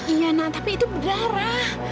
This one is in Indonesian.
iya nah tapi itu berdarah